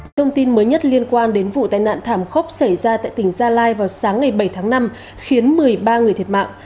thông tin mới nhất liên quan đến vụ tai nạn thảm khốc xảy ra tại tỉnh gia lai vào sáng ngày bảy tháng năm khiến một mươi ba người thiệt mạng